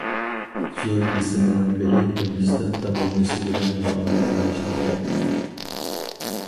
زور بېسىمنىڭ بىرى ھىندىستان تاموژنىسى بىلەن مۇئامىلە قىلىشتىن كەلگەن.